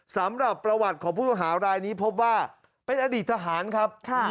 สำหรับประวัติของผู้ต้องหารายนี้พบว่าเป็นอดีตทหารครับ